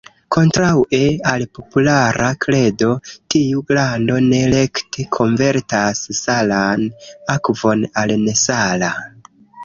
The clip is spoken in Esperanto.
Kontraŭe al populara kredo, tiu glando ne rekte konvertas salan akvon al nesala.